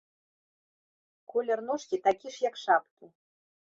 Колер ножкі такі ж, як шапкі.